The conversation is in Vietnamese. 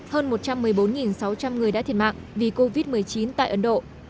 hơn một trăm một mươi bốn sáu trăm linh người đã thiệt mạng vì covid một mươi chín tại ấn độ